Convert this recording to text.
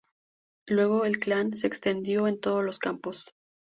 Luego el clan se extendió en todos los campos.